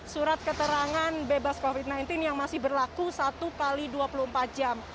surat keterangan bebas covid sembilan belas yang masih berlaku satu x dua puluh empat jam